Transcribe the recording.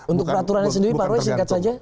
untuk peraturannya sendiri pak roy singkat saja